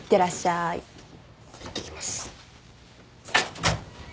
いってきます。